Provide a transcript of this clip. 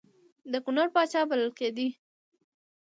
د کنړ پاچا بلل کېدی.